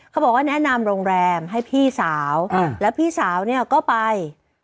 เขาบอกว่าแนะนำโรงแรมให้พี่สาวแล้วพี่สาวเนี่ยก็ไป